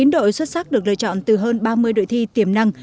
chín đội xuất sắc được lựa chọn từ hơn ba mươi đội thi tiềm năng